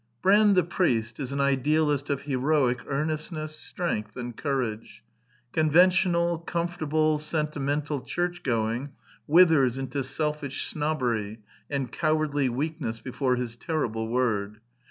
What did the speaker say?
Brand the priest is an idealist of heroic earnest ness, strength, and courage. Conventional, com fortable, sentimental churchgoing withers into selfish snobbery and cowardly weakness before his terrible word.